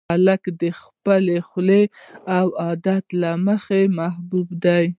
هلک د خپل خوی او عادت له مخې محبوب دی.